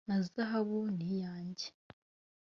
na zahabu ni iyanjye